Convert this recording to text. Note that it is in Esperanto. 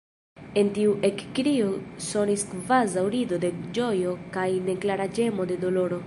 En tiu ekkrio sonis kvazaŭ rido de ĝojo kaj neklara ĝemo de doloro.